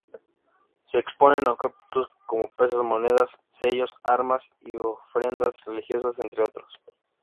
Se exponen objetos como pesas, monedas, sellos, armas y ofrendas religiosas, entre otros.